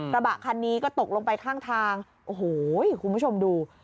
กระบะคันนี้ก็ตกลงไปข้างทางโอ้โหคุณผู้ชมดู